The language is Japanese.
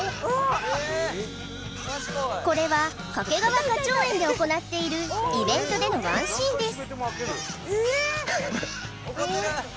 これは掛川花鳥園で行っているイベントでのワンシーンです